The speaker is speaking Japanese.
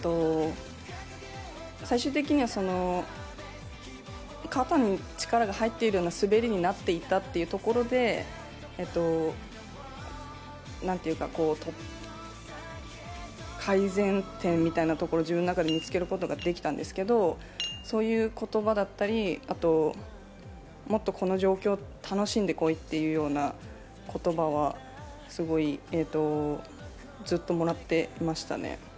最終的には肩に力が入っているような滑りになっていたというところで改善点みたいなところを自分の中で見つけることができたんですけどそういう言葉だったりあと、もっとこの状況を楽しんでこいというような言葉はずっともらっていましたね。